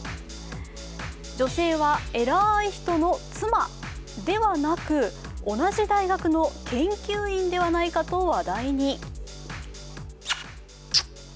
女性はえらい人の妻ではなく、同じ大学の研究員ではないかと話題に。